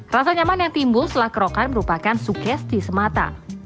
rasa nyaman yang timbul setelah kerokan merupakan sugesti semata